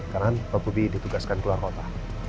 karena pak bobi ditugaskan keluar kota